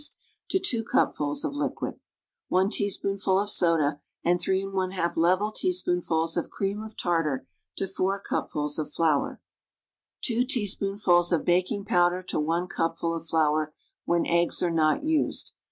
st) to i cupfuls of liquid. 1 teaspoonful of soda and 3/j \g\A teaspoonfuls'of cream of tartar to 4 cup fuls of flour. i teaspoonfuls of baking powder to 1 cupful of flour, when eggs are .toI used.